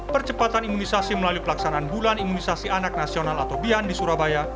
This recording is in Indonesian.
percepatan imunisasi melalui pelaksanaan bulan imunisasi anak nasional atau bian di surabaya